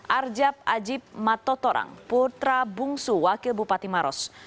arjab ajib matotorang putra bungsu wakil bupati maros